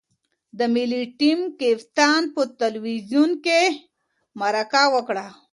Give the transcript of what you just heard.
د ملي ټیم کپتان په تلویزیون کې مرکه وکړه.